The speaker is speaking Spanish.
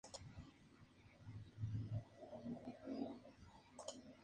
Tanto el chorotega como el mangue actualmente están extintos.